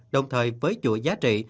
đồng thời với chuỗi giá trị